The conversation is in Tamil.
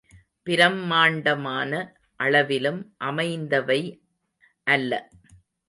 பிரம்மாண்டமான அளவிலும் அமைந்தவை அல்ல.